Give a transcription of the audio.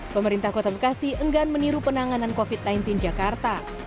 pemerintah kota bekasi enggan meniru penanganan covid sembilan belas jakarta